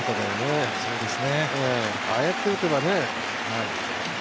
ああやって打てばね。